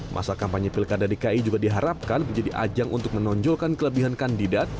masa kampanye pilkada dki juga diharapkan menjadi ajang untuk menonjolkan kelebihan kandidat